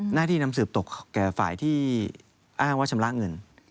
หน้าที่นำสืบตกแก่ฝ่ายที่อ้างว่าชำระเงิน